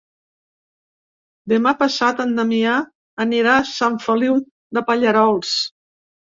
Demà passat en Damià anirà a Sant Feliu de Pallerols.